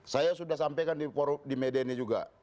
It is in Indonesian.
saya sudah sampaikan di media ini juga